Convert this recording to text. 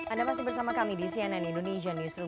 anda masih bersama kami di cnn indonesia newsroom